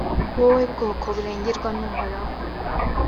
wowe bwoko burengerwa n’uhoraho.